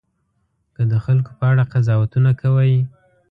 که د خلکو په اړه قضاوتونه کوئ.